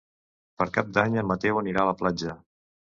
Per Cap d'Any en Mateu anirà a la platja.